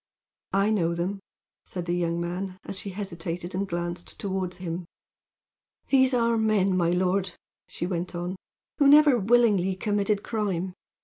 "I know them," said the young man, as she hesitated and glanced toward him. "They are men, my lord," she went on, "who never willingly committed crime.